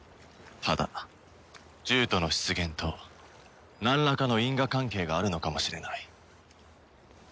ただ獣人の出現となんらかの因果関係があるのかもしれない。